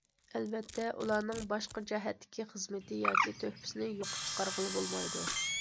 ئەلۋەتتە ئۇلارنىڭ باشقا جەھەتتىكى خىزمىتى ياكى تۆھپىسىنى يوققا چىقارغىلى بولمايدۇ.